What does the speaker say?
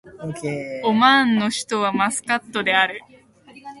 オマーンの首都はマスカットである